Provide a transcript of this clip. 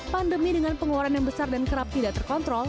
pandemi dengan pengeluaran yang besar dan kerap tidak terkontrol